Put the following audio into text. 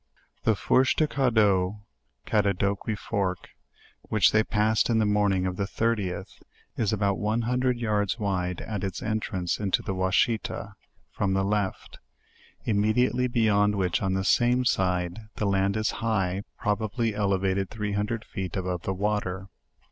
The "Fourche de Cadoux' 5 (Cadadoquis fork) which they passed on the morning of the 30th, is about one hundred yards wide at its entrance into the Washita, from the left; immediately beyond which on the same side, the land is high, probably elevated three hundred feet above the water.